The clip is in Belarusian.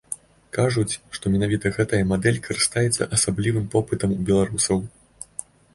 Кажуць, што менавіта гэтая мадэль карыстаецца асаблівым попытам ў беларусаў.